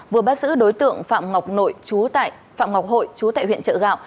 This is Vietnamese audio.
vừa bắt giữ đối tượng phạm ngọc hội chú tại huyện trợ gạo